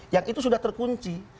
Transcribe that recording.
yang itu sudah terkunci